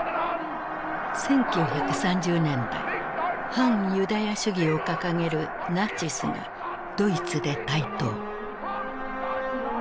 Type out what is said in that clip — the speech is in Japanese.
１９３０年代反ユダヤ主義を掲げるナチスがドイツで台頭。